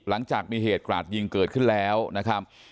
หลังจากมีเหตุกราดยิงเกิดขึ้นแล้วนะครับ